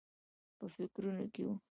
په فکرونو کې و.